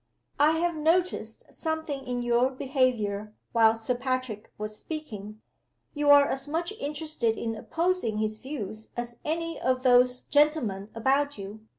"I have noticed something in your behavior while Sir Patrick was speaking. You are as much interested in opposing his views as any of those gentlemen about you.